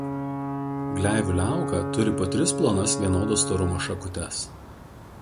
Gleivių liauka turi po tris plonas vienodo storumo šakutes.